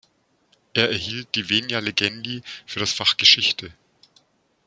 Er erhielt die Venia legendi für das Fach Geschichte.